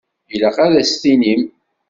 Ilaq ad as-tinim.